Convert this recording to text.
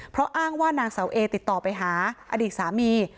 เพราะอ้างว่านางเสาเอติดต่อไปหาอดีตสามี